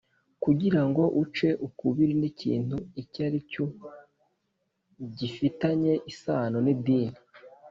Kugira ngo uce ukubiri n ikintu icyo ari cyo gifitanye isano n idini